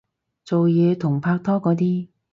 做嘢同拍拖嗰啲